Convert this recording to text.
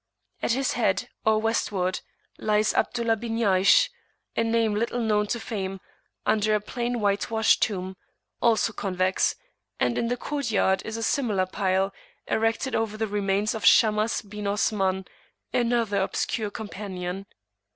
At his head, or westward, lies Abdullah bin Jaysh, a name little known to fame, under a plain whitewashed tomb, also convex; and in the courtyard is a similar pile, erected over the remains of Shammas bin Osman, another obscure Companion.